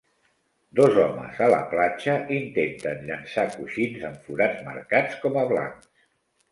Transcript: Dos homes a la platja intenten llançar coixins en forats marcats com a blancs.